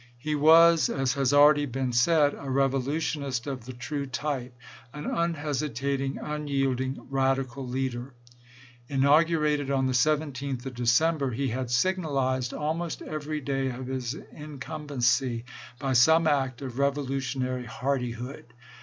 He was, as has already been said, a revolutionist of the true type — an un hesitating, unyielding, radical leader. Inaugu rated on the 17th of December, he had signalized almost every day of his incumbency by some act of revolutionary hardihood.